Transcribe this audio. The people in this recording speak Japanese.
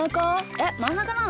えっまんなかなの？